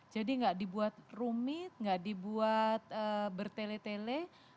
jadi enggak dibuat rumit enggak dibuat bertele tele